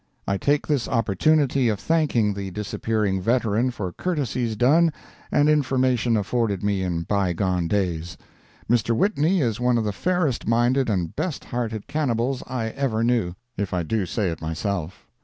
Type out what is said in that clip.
I take this opportunity of thanking the disappearing veteran for courtesies done and information afforded me in bygone days. Mr. Whitney is one of the fairest minded and best hearted cannibals I ever knew, if I do say it myself.